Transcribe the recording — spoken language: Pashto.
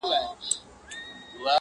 زما پر مخ بــانــدي د اوښــــــكــــــو~